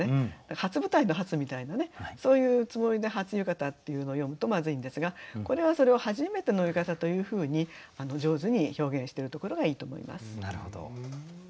「初舞台」の「初」みたいなそういうつもりで「初浴衣」っていうのを詠むとまずいんですがこれはそれを「はじめての浴衣」というふうに上手に表現してるところがいいと思います。